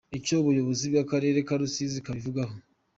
Icyo ubuyobozi bw’Akarere ka Rusizi bubivugaho.